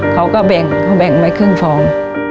เขาก็แบ่งแบ่งไปครึ่งฟอง